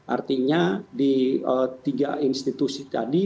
artinya di tiga institusi tadi